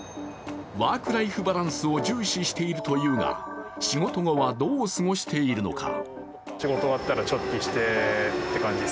ワーク・ライフ・バランスを重視しているというが仕事後は、どう過ごしているのか。